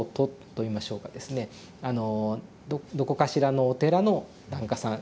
どこかしらのお寺の檀家さん